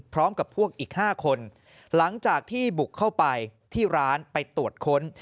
พร้อมกับพวกอีก๕คนหลังจากที่บุกเข้าไปที่ร้านไปตรวจค้น